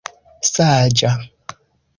saĝa